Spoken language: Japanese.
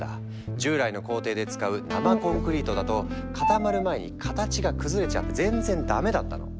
従来の工程で使う生コンクリートだと固まる前に形が崩れちゃって全然ダメだったの。